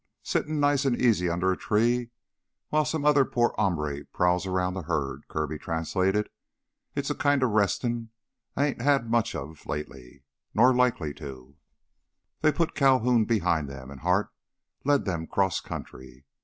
"Sittin' nice an' easy under a tree while some other poor hombre prowls around the herd," Kirby translated. "It's a kinda restin' I ain't had much of lately. Nor like to...." They put Calhoun behind them, and Hart led them cross country.